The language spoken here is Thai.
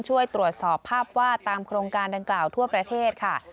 ช่วยตรวจสอบภาพวาดตามโครงการดังกล่าวทั่วประเทศค่ะ